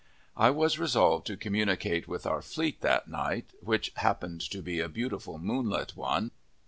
I was resolved to communicate with our fleet that night, which happened to be a beautiful moonlight one.